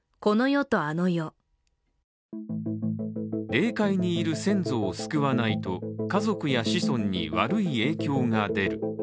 霊界にいる先祖を救わないと家族や子孫に悪い影響が出る。